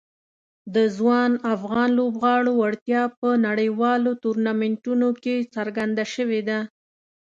د ځوان افغان لوبغاړو وړتیا په نړیوالو ټورنمنټونو کې څرګنده شوې ده.